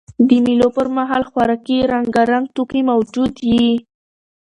د مېلو پر مهال خوراکي رنګارنګ توکي موجود يي.